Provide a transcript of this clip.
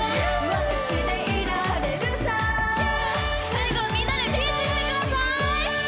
・最後はみんなでピースしてください！